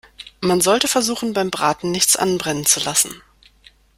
Man sollte versuchen, beim Braten nichts anbrennen zu lassen.